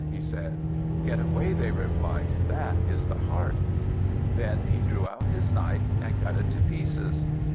he said. "Get away," they replied, "that is the heart." Then he drew out his knife and cut it to pieces.